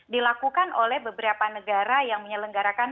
dilakukan oleh beberapa negara yang menyelenggarakan